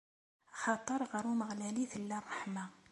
Axaṭer ɣer Umeɣlal i tella ṛṛeḥma.